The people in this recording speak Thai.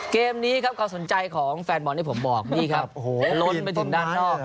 เกมนี้ครับความสนใจของแฟนบอลที่ผมบอกนี่ครับล้นไปถึงด้านนอก